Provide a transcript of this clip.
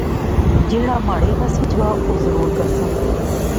جہیڑا مہاڑے بس وچ وہا اور ضرور کرساں